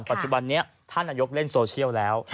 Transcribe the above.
ปัจจุบันนี้ท่านนายกเล่นโซเชียลแล้ว